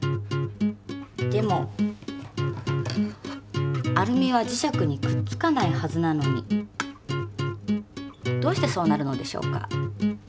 でもアルミは磁石にくっつかないはずなのにどうしてそうなるのでしょうか。